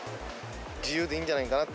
自由でいいんじゃないかなと。